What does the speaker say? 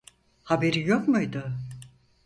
Haberin yok muydu?